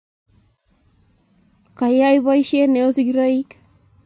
Kagoyey boisiet ne o sigiroik